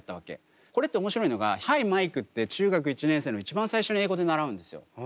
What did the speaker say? これって面白いのが「Ｈｉ，Ｍｉｋｅ」って中学１年生の一番最初に英語で習うんですよ。